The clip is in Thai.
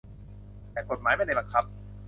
แต่กฎหมายไม่ได้บังคับ